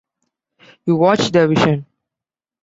You watch the vision.